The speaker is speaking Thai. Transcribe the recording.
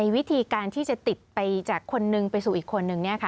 วิธีการที่จะติดไปจากคนนึงไปสู่อีกคนนึง